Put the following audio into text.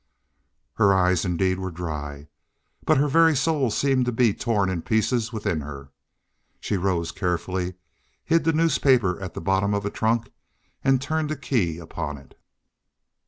Her eyes indeed were dry, but her very soul seemed to be torn in pieces within her. She rose carefully, hid the newspaper at the bottom of a trunk, and turned the key upon it.